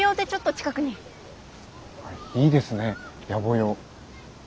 いいですね野暮用。